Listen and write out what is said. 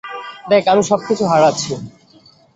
দেখ, আমি সব কিছু হারাচ্ছি।